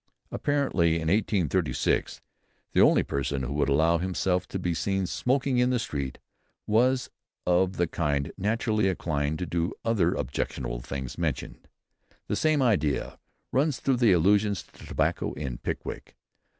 Apparently in 1836 the only person who would allow himself to be seen smoking in the street was of the kind naturally inclined to do the other objectionable things mentioned. The same idea runs through the allusions to tobacco in "Pickwick."